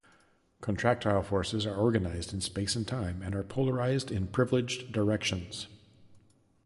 Contractile forces are organized in space and time and are polarized in privileged directions.